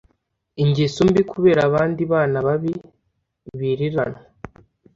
ingeso mbi kubera abandi bana babi biriranwa.